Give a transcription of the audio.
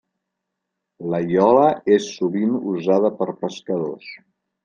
La iola és sovint usada per pescadors.